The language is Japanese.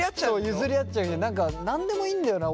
譲り合っちゃうし何でもいいんだよな